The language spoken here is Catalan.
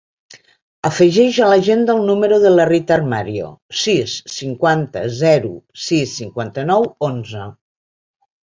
Afegeix a l'agenda el número de la Rita Armario: sis, cinquanta, zero, sis, cinquanta-nou, onze.